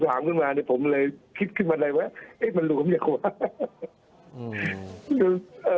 พอท่านถามขึ้นมานะผมเลยคิดขึ้นมาเลยว่าจะหลวมยังไง